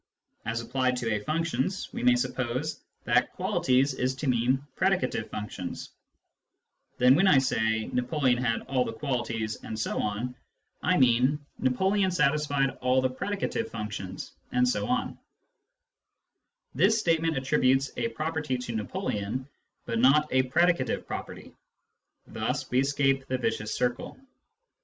As applied to ^ functions, we may suppose that " qualities " is to mean " predicative functions." Then when I say " Napoleon had all the qualities, etc.," I mean 190 Introduction to Mathematical Philosophy " Napoleon satisfied all the predicative functions, etc." This statement attributes a property to Napoleon, but not a pre dicative property ; thus we escape the vicious circle.